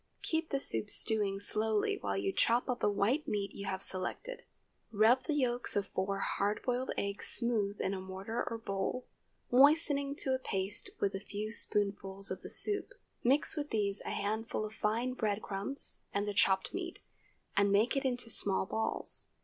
Keep the soup stewing slowly while you chop up the white meat you have selected. Rub the yolks of four hard boiled eggs smooth in a mortar or bowl, moistening to a paste with a few spoonfuls of the soup. Mix with these a handful of fine bread crumbs and the chopped meat, and make it into small balls.